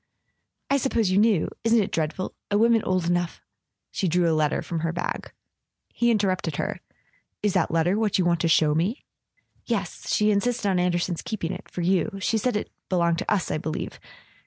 "I supposed you knew. Isn't it dreadful? A woman old enough " She drew a letter from her bag. He interrupted her. "Is that letter what you want to show me ?" "Yes. She insisted on Anderson's keeping it—for you. She said it belonged to us, I believe.